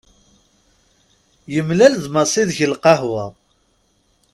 Yemlal d Massi deg lqahwa.